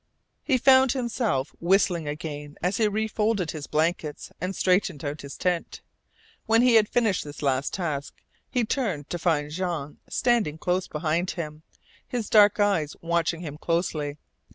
He found himself whistling again as he refolded his blankets and straightened out his tent. When he had finished this last task he turned to find Jean standing close behind him, his dark eyes watching him closely.